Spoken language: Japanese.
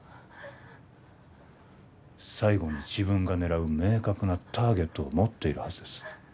最後に自分が狙う明確なターゲットを持っているはずです